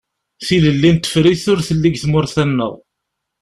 Tilelli n tefrit ur telli deg tmurt-a-nneɣ.